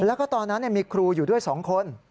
แล้วก็ตอนนั้นมีครูอยู่ด้วย๒คน